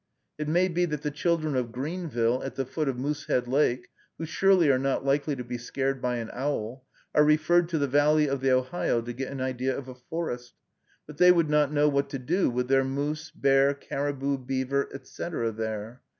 It may be that the children of Greenville, at the foot of Moosehead Lake, who surely are not likely to be scared by an owl, are referred to the valley of the Ohio to get an idea of a forest; but they would not know what to do with their moose, bear, caribou, beaver, etc., there.